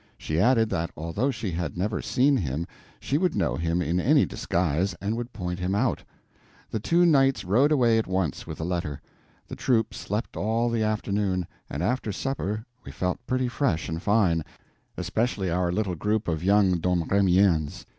She added that although she had never seen him she would know him in any disguise and would point him out. The two knights rode away at once with the letter. The troop slept all the afternoon, and after supper we felt pretty fresh and fine, especially our little group of young Domremians.